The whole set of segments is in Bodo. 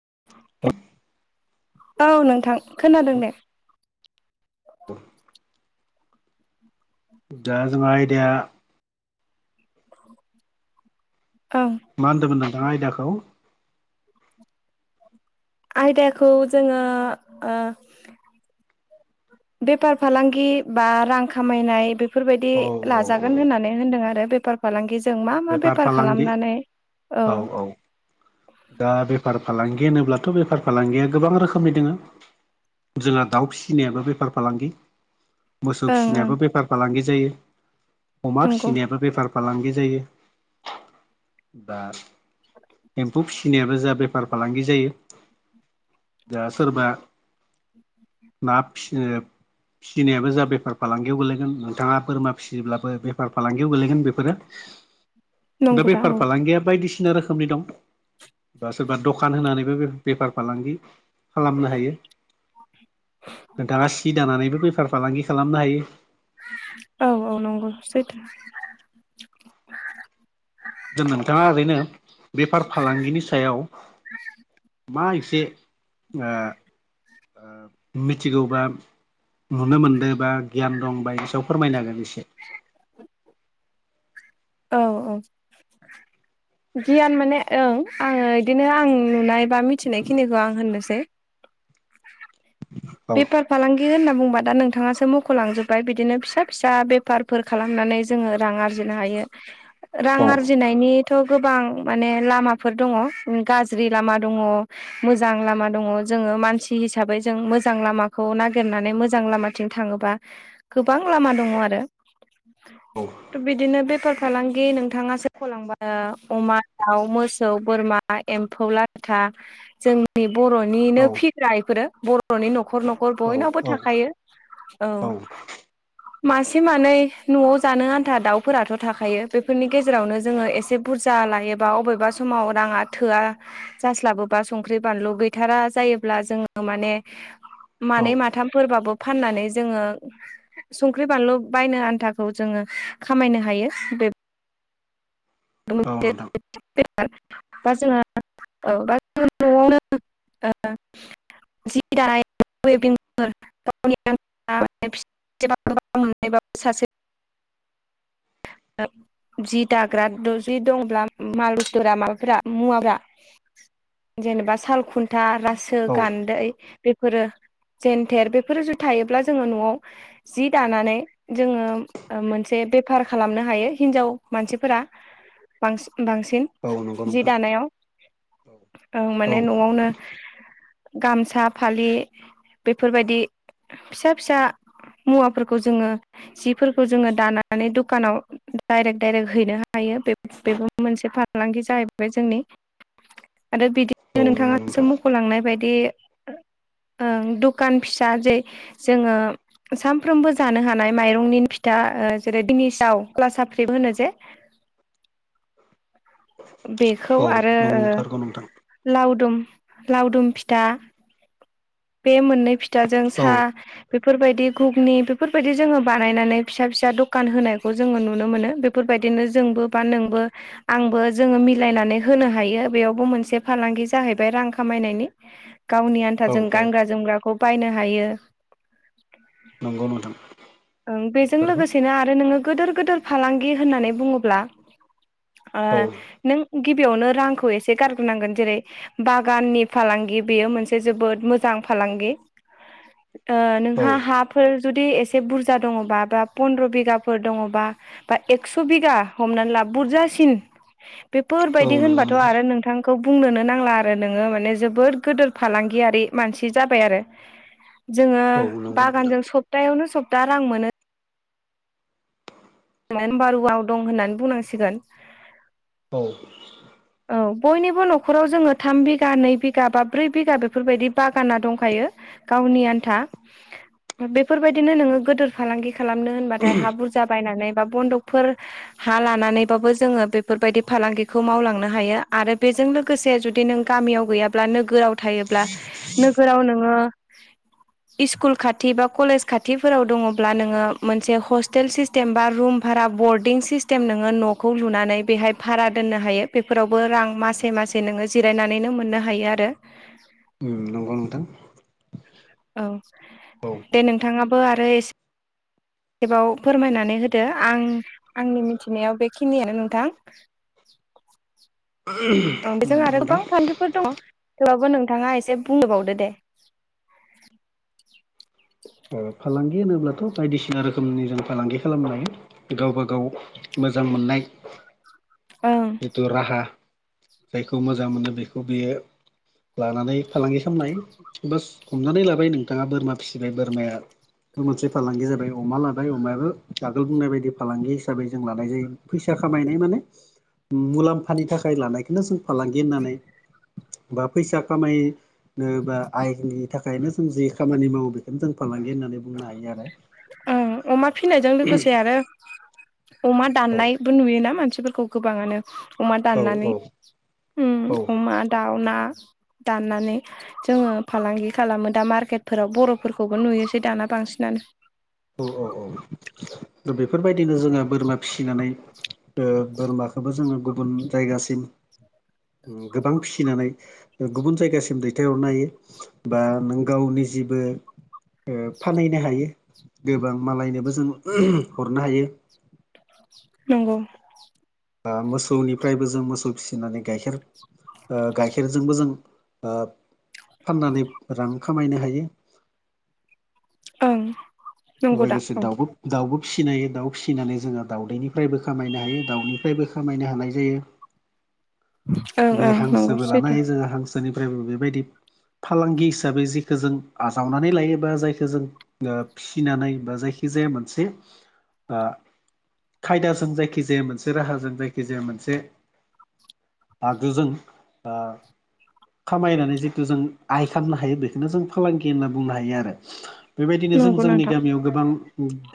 [inaudible] औ नोंथां खोनादों दे। दा दा जोंहा आयदाया ओं। मा होन्दोंमोन नोंथाङा आयदाखौ? आयदाखौ जोङो ओ बेफार फालांगि बा रां खामायनाय बे फोरबायदि औ औ लाजागोन होननानै होन्दों आरो बेफार फालांगि जों मा मा बेफार बेपार फालांगि औ खालामनानै औ। औ दा बेफार फालांगि होनोब्लाथ' बेफार फालांगिया गोबां रोखोमनि दोङो। जोंहा दाउ फिसिनायाबो बेफार फालांगि। मोसौ ओं ओं फिसिनायाबो बेफार फालांगि जायो अमा नंगौ फिसिनायाबो बेफार फालांगि जायो दा एम्फौ फिसिनायाबो जा बेफार फालांगि जायो। दा सोरबा ना फिसनो फिसिनायाबो जा बेफार फालांगियाव गोलैगोन नोंथाङा बोरमा फिसियोब्लाबो बेफार फालांगियाव गोलैगोन बेफोरो। दा नंगौ बेफार औ फालांगिया बायदिसिना रोखोमनि दं। बा सोरबा दखान होनानैबो बे-बेफार फालांगि खालामनो हायो। दा सि दानानैबो बेफार फालांगि खालामनो हायो। औ औ नंगौ सैथो। जों नोंथाङा ओरैनो बेफार फालांगिनि सायाव मा एसे ओ ओ मिथिगौबा नुनो मोनदो बा गियान दं बायदि सायाव फोरमायना होगोन एसे? औ औ। [inaudible] गियान माने ओं आङो इदिनो आं नुनाय बा मिथिनाय खिनिखौ आं होननोसै। [inaudible] बेफार फालांगि होनना बुंबा दा नोंथाङासो मख'लांजोब्बाय बिदिनो फिसा फिसा बेफारफोर खालामनानै जोङो रां आरजिनो हायो। औ रां आरजिनायनिथ' गोबां माने लामाफोर दङ उम गाज्रि लामा दङ। मोजां लामा दङ जोङो मानसि हिसाबै जों मोजां लामाखौ नागिरनानै मोजां लामा थिं थाङोबा गोबां लामा दङ आरो। औ थ' बिदिनो बेफार फालांगि नोंथाङासो खलांबा ओ अमा दाउ मोसौ बोरमा एम्फौ लाथा जोंनि बर'निनो औ फिग्रा इफोरो बर'नि न'खर न'ख खर औ बयनावबो थाखायो औ। मासे मानै न'आव जानो आन्था दाउफोराथ' थाखायो बेफोरनि गेजेरावनो जोङो एसे बुरजा लायोबा अबेबा समाव राङा थोआ जास्लाबोबा संख्रि बानलु गैथारा जायोब्ला जोङो माने औ मानै माथामफोरबाबो फाननानै जोङो संख्रि बानलु बायनो आन्थाखौ जोङो खामायनो हायो। बेफ नोंथां [unintelligible] [unintelligible] बा जोंहा औ [unintelligible] [unintelligible] [unintelligible] [unintelligible] जि दाग्रा द जि दंब्ला माल बस्तुफोरा माबाफोर मुवाफ्रा जेनेबा साल खुन्था रासो औ गान्दै बेफोरो जेन्थेर बेफोर जुदि थायोब्ला जोङो न'आव जि दानानै जोङो मोनसे बेफार खालामनो हायो हिनजाव मानसिफोरा बांसि बांसिन। औ नंगौ जि नोंथां दानायाव ओं औ माने न'आवनो। गामसा फालि बेफोरबायदि फिसा फिसा मुवाफोरखौ जोङो जिफोरखौ जोङो दानानै दुख खानाव दाइरेक्ट दाइरेक्ट हैनो हायो बे-बेबो मोनसे फालांगि जाहैबाय जोंनि। आरो औ बिदिनो नंगौ नोंथां नोंथाङासो मख'लांनाय बायदि ओं दखान फिसा जे जोङो सानफ्रोमबो जानो हानाय माइरंनि फिथा जेरै औ क्लास फ्रिबो होनो जे बेखौ औ आरो नंथारगौ नोंथां लावदुम लावदुम फिथा बे मोननै फिथाजों औ साहा बेफोरबायदि घुगनि बेफोरबायदि जोङो बानायनानै फिसा फिसा दखान होनायखौ जोङो नुनो मोनो बे बेफोरबायदिनो जोंबो बा नोंबो आंबो जोङो मिलायनानै होनो हायो बेयावबो मोनसे फालांगि जाहैबाय रां खामायनायनि गावनि औ आन्थाजों औ गानग्रा जोमग्राखौ बायनो हायो। नंगौ नोंथां। ओं बेजों नंथारगौ लोगोसेनो आरो नोङो गिदोर गिदोर फालांगि होननानै बुङोब्ला औ नों गिबियावनो रांखौ एसे गारग्रोनांगोन जेरै बागाननि फालांगि बेयो मोनसे जोबोद मोजां फालांगि [inaudible] नोंहा हाफोर जुदि एसे बुरजा दङबा बा पन्द्र' बिगाफोर दङबा बा एक्स' बिगा हमनानै ला बुरजासिन बेफोरबायदि होनबाथ' आरो नोंथां। खौ बुंनोनो नांला आरो नोङो माने जोबोद गोदोर फालांगियारि मानसि जाबाय आरो। जोङो औ नंगौ नोंथां बागानजों सप्तायावनो सप्ता रां मोनो। मोनबारुआव दं होननानै बुंनांसिगोन। औ। औ बयनिबो न'खराव जोङो थाम बिघा नै बिगा बा ब्रै बिगा बेफोरबायदि बागाना दंखायो। गावनि आन्था बेफोरबायदिनो नोङो गोदोर फालांगि खालामनो होनबाथाय हा बुर जाबायनानै बा बन्दकफोर हा लानानैबाबो जोङो बेफोरबायदि फालांगिखौ मावलांन हायो आरो बेजों लोगोसे जुदि नों गामियाव गैयाब्ला नोगोराव। थायोब्ला नोगोराव नोङो। [inaudible] इसकुल खाथि बा कलेज खाथिफोराव दङब्ला नोङो मोनसे हस्टेल सिस टेम बा रुम भारा बरडिं सिस्टेम नोङो न'खौ लुनानै बेहाय भारा दोननो हायो। बेफोरावबो रां मासे मासे नोङो जिरायनानैनो मोननो हायो आरो। उम नंगौ नोंथां। औ। औ। दे नोंथाङाबो आरो एस खेबाव फोरमायनानै होदो आं आंनि मिथिनायाव बेखिनियानो नोंथां। उम। ओ बेजों आरो गोबां फान्दोफोर दङ थेवबाबबो नोंथाङा एसे बुंनोबावदो दे। ओ फालांगि होनोब्लाथ' बायदिसिना रोखोमनि जों फालांगि खालामनो हायो। गावबागाव मोजां मोननाय। ओं जिथु राहा जायखौ मोजां मोनो बेखौ बेयो। लानानै फालांगि खालामनो हायो बास हमनानै लाबाय नोंथाङा बोरमा फिसिबाय बोरमाया। बे मोनसे फालांगिया जाबाय अमा लाबाय अमायाबो आगोल बुंनाय बायदि फालांगि हिसाबै जों लानाय जायो। फैसा खामायनाय माने। मुलाम्फानि थाखाय लानायखौनो जों फालांगि होननानै बा फैसा खामाय। नो बा आइननि थाखायनो जों जि खामानि मावो बेखौनो जों फालांगि होननानै बुंनो हायो आरो। ओं अमा फिनायजों लोगोसे आरो। अमा औ दाननायबो नुयोना मानसिफोरखौ गोबाङानो। अमा औ दाननानै उम औ अमा दाउ ना दाननानै। जोङो फालांगि खालामो दा मार्केटफोराव बर'फोरखौबो नुयोसै दाना बांसिनानो। औ औ औ। फोरबायदिनो जोङो बोरमा फिसिनानै। ओ बोरमाखोबो जोङो गुबुन जायगासिम गोबां फिसिनानै गुबुन जायगासिम दैथायहरनो हायो बा नों गावनि जेबो। ओ फानहैनो हायो। गोबां मालायनोबो जों हरनो हायो। नंगौ। आ मोसौनिफ्रायबो जों मोसौ फिसिनानै गाइखेर ओ गाइखेरजोंबो जों। ओ फाननानै रां खामायनो हायो। ओं। नंगौ दा लोगोसे ओं दाउ दाउबो फिसिनो हायो दाउ फिसिनानै जोङो दाउदैनिफ्रायबो खामायनो हायो दाउनिफ्रायबो खामायनो हानाय जायो। बे ओं नंगौ हांसोबो लानो सैथो हायो जोङो हांसोनिफ्रायबो बेबायदि। फालांगि हिसाबै जेखो जों आजावनानै लायोबा जायखौ जों ओ। फिसिनानै बा जायखिजाया मोनसे। ओ खायदाजों जायखिजाया मोनसे राहाजों जायखिजाया मोनसे। आगोजों ओ। खामायनानै जिथु जों आइ खालामनो हायो बेखौनो जों फालांगि होनना बुंनो हायो आरो बेबायदिनो नंगौ जों जोंनि नोंथां गामियाव गोबां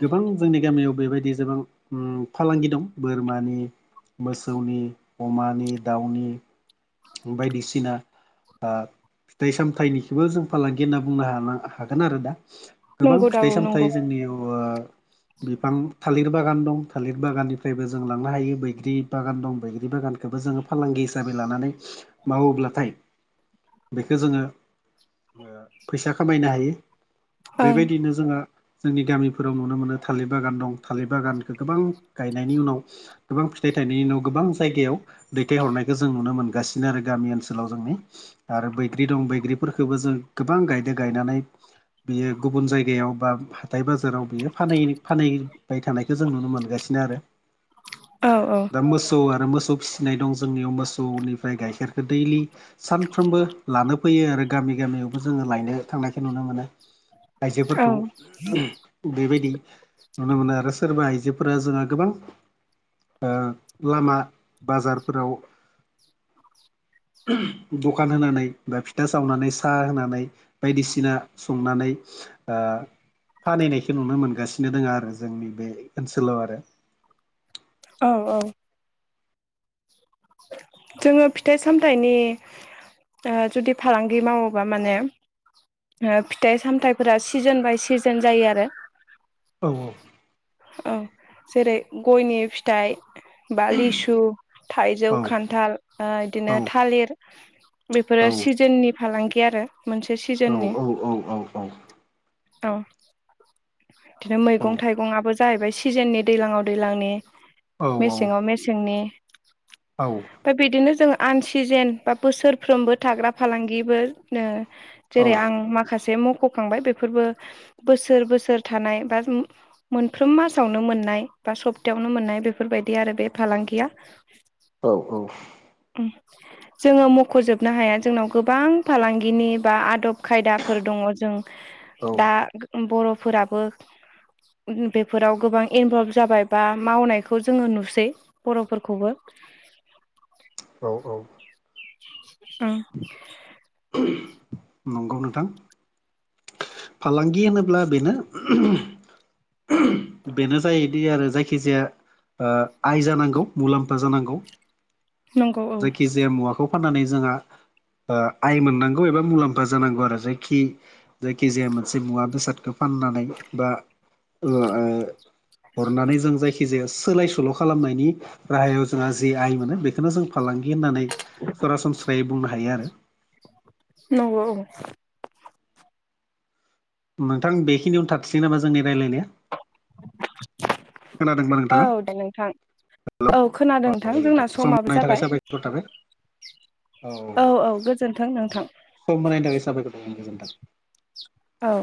गोबां जोंनि गामियाव बेबायदि गोबां फालांगि दं बोरमानि मोसौनि अमानि दाउनि बायदिसिना फिथाइ सामथायाइनिखौबो जों फालांगि होनना बुंनो हागोन आरो दा गोबां नंगौ दा औ फिथाइ नंगौ सामथायाइ जोंनियाव बिफां थालिर बागान दं थालिर बागाननिफ्रायबो जों लांनो हायो बैग्रि बागान दं बैग्रि बागान बेबो जोङो फालांगि हिसाबै लानानै मावोब्लाथाय बेखौ जोङो फैसा खामायनो हायो ओं बेबायदिनो जोंहा जोंनि गामिफोराव नुनो मोनो थालिर बागान दं थालिर बागानखौ गोबां गायनायनि उनाव गोबां फिथाइ थायनायनि उनाव गोबां जायगायाव दैथायहरनायखौ जों नुनो मोनगासिनो बिनो आरो गामि ओनसोलाव जोंनि आरो बैग्रि दं बैग्रिफोरखौबो जों गोबां गायदो गायनानै बियो गुबुन जायगायाव बा हाथाय बाजाराव बियो फ फानहबाय थानाय खौ जों नुनो मोनगासिनो आरो औ औ दा मोसौ आरो मोसौ फिसिनाय दं जोंनियाव मोसौनिफ्राय गाइखेरखौ दैलि सानफ्रोमबो लानो फैयो आरो गामि गामियावबो जोङो लायनो थांनायखौ नुनो मोनो औ आइजोफोरखौ बेबायदि नुनो मोनो आरो सोरबा आइजोफोरा जोंहा गोबां लामा बाजारफोराव दखान होनानै बा फिथा सावनानै साहा होनानै बायदिसिना संनानै फानहोनायखौ नुनो मोनगासिनो दङ आरो जोंनि बे ओनसोलाव आरो औ औ जोङो फिथाइ सामथायाइनि जुदि फालांगि मावोबा माने फिथाइ सामथाइफोरा सिजोन बाय सिजोन जायो आरो औ औ औ जेरै गयनि फिथाइ बा लिसु थाइजौ औ द खान्थाल बिदिनो औ थालिर बेफोरो औ सिजोननि फालांगि आरो मोनसे औ सिजोननि औ औ औ औ औ बिदिनो मैगं थाइगंआबो जाहैबाय सिजोननि दैलाङाव दैज्लांनि औ मेसेङाव मेसें सेंनि ओमफ्राय बिदिनो जों आन सिजेन बा बोसोरफ्रोमबो थाग्रा फालांगिबो जेरै आं माखासे मख'खांबाय बेफोरबो बोसोर बोसोर थानाय बा मोनफ्रोम मासावनो मोननाय बा सप्तायावनो मोननाय बेफोरबायदि आरो बे फालांगिया औ औ उम जोङो मख'जोबनो हाया जोंनाव गोबां फालांगिनि बा आदब खायदाफोर दङ जों औ दा बर'फोराबो बेफोराव गोबां इनभल्भ जाबाय बा मावनायखौ जोङो नुसै बर'फोरखौबो औ औ ओं नंगौ नोंथां फालांगि होनोब्ला बेनो बेनो जायोदि आरो जायखिजाया ओ आइ जानांगौ मुलाम्फा जानांगौ नंगौ औ जायखिजाया मुवाखौ फाननानै जोंहा आइ मोननांगौ एबा मुलाम्फ फा जानांगौ आरो जायखि जायखिजाया मोनसे मुवा बेसादखौ फाननानै बा ओ हरनानै जों जायखि खि जाया सोलाय सोल' खालामनायनि राहायाव जोंहा जे आइ मोनो बेखौनो जों फालांगि गि होननानै सरासनस्रायै बुंनो हायो आरो। नंगौ औ नोंथां बेखिनियावनो थाथोसै नामा जोंनि रायज्लायनाया? औ नोंथाङा? दे नोंथां औ खोनादों नोंथां जोंना सम समाबो होनायनि थाखाय जाबाय। साबायखर थाबाय औ औ गोजोन्थों नोंथां। सम होनायनि थाखाय साबायखर थाबाय गोजोन्थों। औ